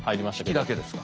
筆記だけですか。